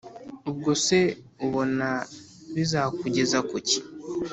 ubwose ubona bizakugeza kuki